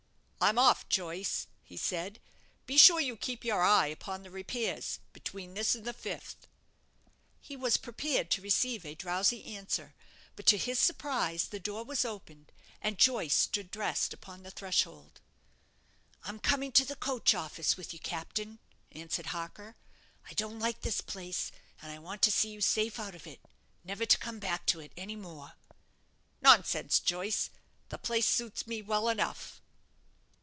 "I'm off, Joyce," he said; "be sure you keep your eye upon the repairs between this and the fifth." He was prepared to receive a drowsy answer; but to his surprise the door was opened, and Joyce stood dressed upon the threshold. "I'm coming to the coach office with you, captain," answered Harker. "I don't like this place, and I want to see you safe out of it, never to come back to it any more." "Nonsense, Joyce; the place suits me well enough."